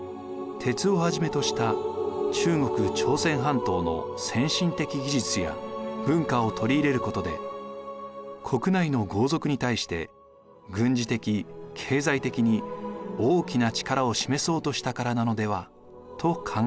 鉄をはじめとした中国朝鮮半島の先進的技術や文化を取り入れることで国内の豪族に対して軍事的経済的に大きな力を示そうとしたからなのではと考えられています。